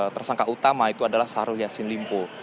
tersangka utama itu adalah syahrul yassin limpo